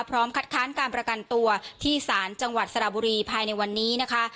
คัดค้านการประกันตัวที่ศาลจังหวัดสระบุรีภายในวันนี้นะคะ